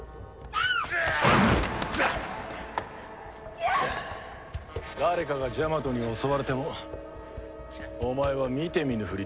誰かがジャマトに襲われてもお前は見て見ぬふりできんのか？